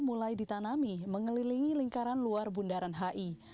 mulai ditanami mengelilingi lingkaran luar bundaran hi